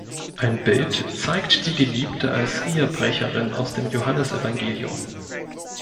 Ein Bild zeigt die Geliebte als Ehebrecherin aus dem Johannesevangelium.